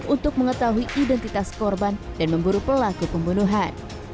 untuk mengetahui identitas korban dan memburu pelaku pembunuhan